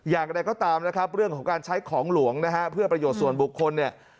อย่างไรก็ตามนะครับเรื่องของการใช้ของหลวงนะฮะเพื่อประโยชน์ส่วนบุคคลเนี่ย